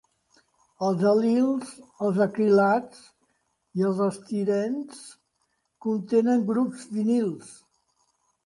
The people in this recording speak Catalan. Els al·lils, els acrilats i els estirens contenen grups vinils.